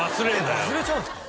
えっ忘れちゃうんすか？